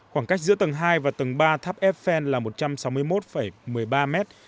khoảng cách giữa tầng hai và tầng ba tháp eiffel là một trăm sáu mươi một một mươi ba mét